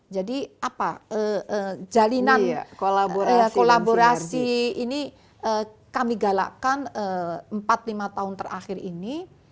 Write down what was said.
jadi jalinan kolaborasi ini kami galakkan empat lima tahun terakhir ini